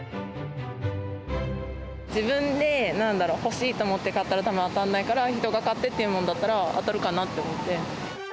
自分で、なんだろう、欲しいと思って買ったら、たぶん当たんないから、人が買ってって言うものだったら当たるかなと思って。